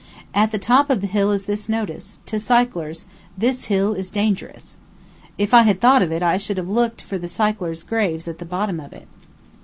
At the top of the hill is this notice: "To cyclers this hill is dangerous." If I had thought of it I should have looked for the cyclers' graves at the bottom of it.